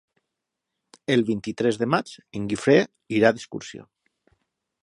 El vint-i-tres de maig en Guifré irà d'excursió.